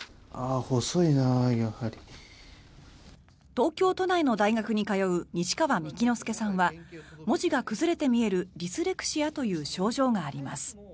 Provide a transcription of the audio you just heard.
東京都内の大学に通う西川幹之佑さんは文字が崩れて見えるディスレクシアという症状があります。